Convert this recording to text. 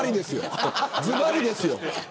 ずばりですよ。